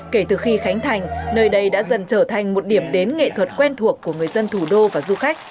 kể từ khi khánh thành nơi đây đã dần trở thành một điểm đến nghệ thuật quen thuộc của người dân thủ đô và du khách